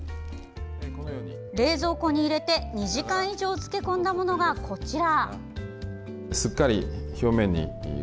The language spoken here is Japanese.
冷蔵庫に入れて２時間以上漬け込んだものがこちら。